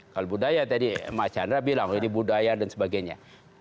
kalau budaya tadi mas chandra bilang ini budaya dan sebagainya